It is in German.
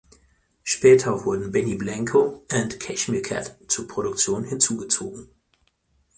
Später wurden Benny Blanco and Cashmere Cat zur Produktion hinzugezogen.